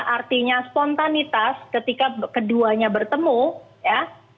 artinya spontanitas ketika keduanya bertemu ya